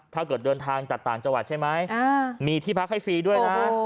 เดินทางจากต่างจังหวัดใช่ไหมมีที่พักให้ฟรีด้วยนะ